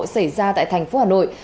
xảy ra tại thành phố hà nội